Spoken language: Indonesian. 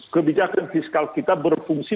kebijakan fiskal kita berfungsi